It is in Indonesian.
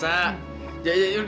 itu sudah lama puas